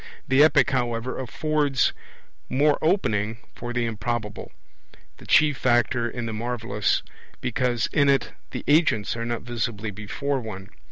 The Epic, however, affords more opening for the improbable, the chief factor in the marvellous, because in it the agents are not visibly before one.